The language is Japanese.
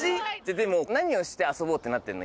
でも何をして遊ぼうってなってんの？